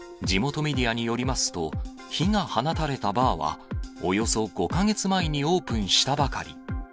地元メディアによりますと、火が放たれたバーは、およそ５か月前にオープンしたばかり。